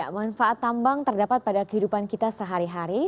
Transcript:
manfaat tambang terdapat pada kehidupan kita sehari hari